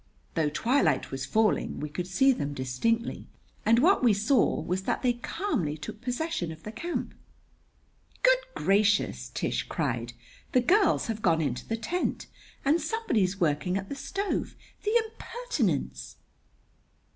Though twilight was falling, we could see them distinctly. And what we saw was that they calmly took possession of the camp. "Good gracious!" Tish cried. "The girls have gone into the tent! And somebody's working at the stove. The impertinence!"